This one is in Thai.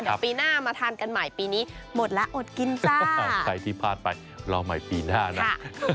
เดี๋ยวปีหน้ามาทานกันใหม่ปีนี้หมดแล้วอดกินจ้าใครที่พลาดไปรอใหม่ปีหน้านะ